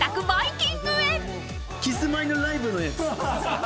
キスマイのライブのやつ。